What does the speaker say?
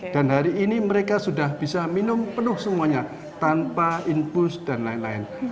dan hari ini mereka sudah bisa minum penuh semuanya tanpa impuls dan lain lain